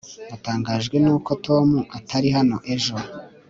natangajwe nuko tom atari hano ejo